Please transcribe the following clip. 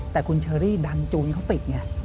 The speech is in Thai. แต่คุณเชอรี่ดันจูนเขาติดไง